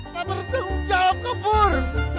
tak bertanggung jawab kabur